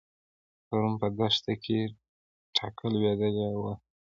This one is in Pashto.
پرون په دښته کې ټکه لوېدلې وه.